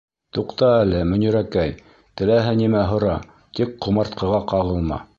Туҡта әле, Мөнирәкәй, теләһә нимә һора, тик ҡомартҡыға ҡағылма.